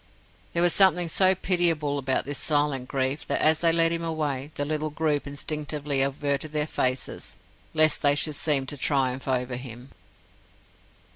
There was something so pitiable about this silent grief that, as they led him away, the little group instinctively averted their faces, lest they should seem to triumph over him.